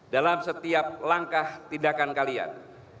dalam setiap langkah tindakan kalian